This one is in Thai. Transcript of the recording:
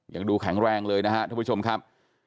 ยังดูแข็งแรงเลยนะครับท่านผู้ชมครับ